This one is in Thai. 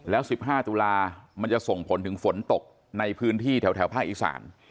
แล้ว๑๕ตุลามันจะส่งผลถึงฝนตกในพื้นที่แถวภาคอีสาน